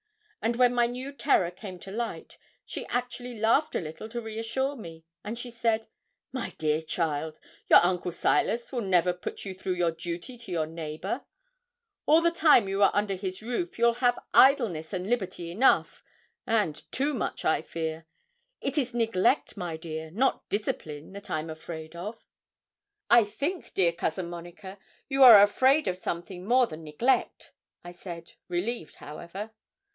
she cried. And when my new terror came to light, she actually laughed a little to reassure me, and she said 'My dear child, your uncle Silas will never put you through your duty to your neighbour; all the time you are under his roof you'll have idleness and liberty enough, and too much, I fear. It is neglect, my dear, not discipline, that I'm afraid of.' 'I think, dear Cousin Monica, you are afraid of something more than neglect,' I said, relieved, however.